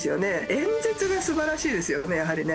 演説が素晴らしいですよねやはりね。